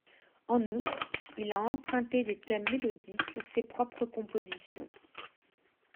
En outre, il y a emprunté des thèmes mélodiques pour ses propres compositions.